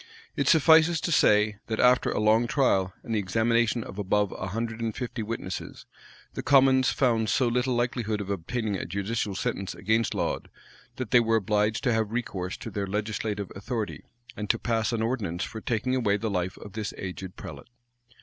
It suffices to say, that after a long trial, and the examination of above a hundred and fifty witnesses, the commons found so little likelihood of obtaining a judicial sentence against Laud, that they were obliged to have recourse to their legislative authority, and to pass an ordinance for taking away the life of this aged prelate.